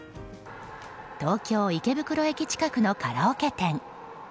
東京・池袋近くのカラオケ店。